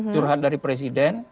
curhat dari presiden